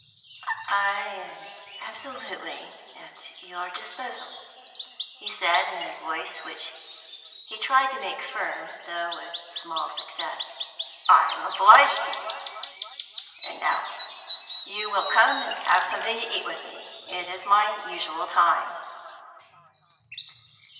"I am absolutely at your disposal," he said, in a voice which he tried to make firm, though with small success. "I am obliged to you. And now you will come and have something to eat with me; it is my usual time."